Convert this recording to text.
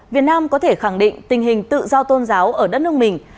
việt nam có thể khẳng định tình hình tự do tôn giáo ở đất nước mình